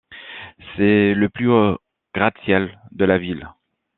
C'est le plus haut gratte-ciel de la ville.